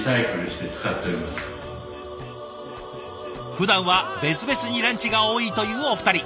ふだんは別々にランチが多いというお二人。